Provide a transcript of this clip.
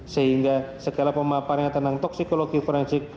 sehingga segala pemaparannya tentang toksikologi forensik